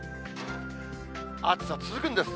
暑さ続くんです。